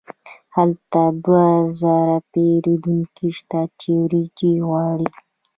هلته دوه زره پیرودونکي شته چې وریجې غواړي.